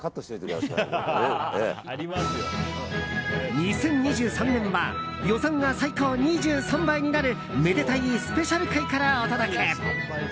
２０２３年は予算が最高２３倍になるめでたいスペシャル回からお届け。